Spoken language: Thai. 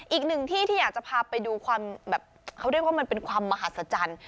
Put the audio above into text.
อีกหนึ่งที่ที่อยากจะพาไปดูความแบบเขาเรียกว่ามันเป็นความมหัศจรรย์